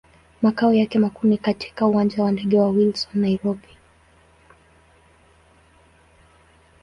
Makao yake makuu ni katika Uwanja wa ndege wa Wilson, Nairobi.